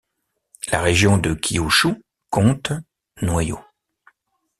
La région de Kyūshū compte noyaux.